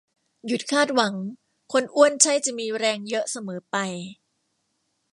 หยุดคาดหวัง คนอ้วนใช่จะมีแรงเยอะเสมอไป